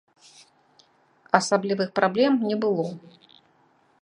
Асаблівых праблем не было.